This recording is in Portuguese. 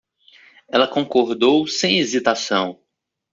Ela concordou sem hesitação